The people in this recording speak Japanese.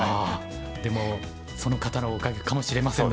でもその方のおかげかもしれませんね。